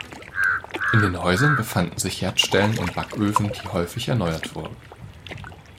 In den Häusern befanden sich Herdstellen und Backöfen, die häufig erneuert wurden.